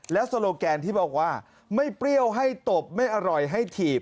โซโลแกนที่บอกว่าไม่เปรี้ยวให้ตบไม่อร่อยให้ถีบ